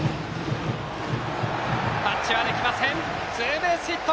タッチはできませんツーベースヒット！